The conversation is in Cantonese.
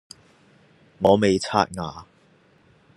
我未刷牙